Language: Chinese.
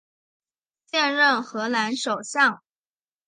现任荷兰首相。